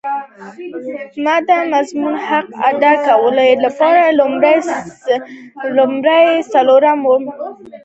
ما د موضوع حق ادا کولو لپاره لومړی څپرکی کلیاتو ته ځانګړی کړ